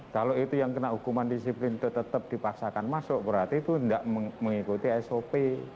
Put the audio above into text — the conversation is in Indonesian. kalau itu yang kena hukuman disiplin itu tetap dipaksakan masuk berarti itu tidak mengikuti sop